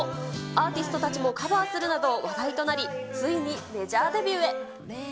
アーティストたちもカバーするなど話題となり、ついにメジャーデビュー。